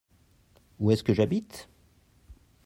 Où est-ce que j'habite ?